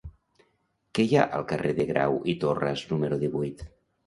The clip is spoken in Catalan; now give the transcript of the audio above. Què hi ha al carrer de Grau i Torras número divuit?